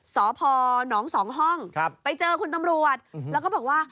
สพหนองสองห้องไปเจอคุณตำรวจแล้วก็บอกว่า